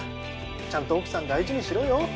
ちゃんと奥さん大事にしろよ。